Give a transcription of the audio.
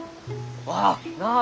あっなあ